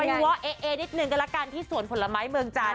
เป็นวอเอนิดนึงกันละกันที่สวนผลไม้เมืองจันท